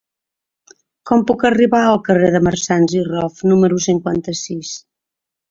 Com puc arribar al carrer de Marsans i Rof número cinquanta-sis?